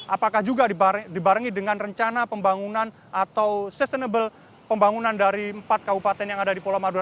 apakah juga dibarengi dengan rencana pembangunan atau sustainable pembangunan dari empat kabupaten yang ada di pulau madura